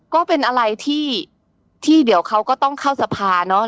ก็เป็นอะไรที่เดี๋ยวเขาก็ต้องเข้าสภาเนาะ